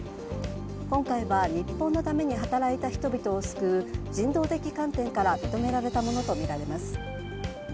今回は日本のために働いた人々を救う人道的観点から認められたものとみられます。